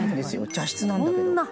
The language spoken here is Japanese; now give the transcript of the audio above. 茶室なんだけど」